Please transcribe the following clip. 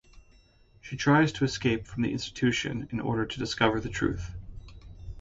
She tries to escape from the institution in order to discover the truth.